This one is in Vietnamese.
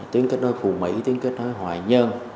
tuyến kết nối phủ mỹ tuyến kết nối hòa nhơn